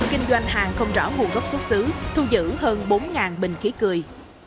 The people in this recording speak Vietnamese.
kinh doanh hàng không rõ nguồn gốc xuất xứ thu giữ hơn bốn bình khí cười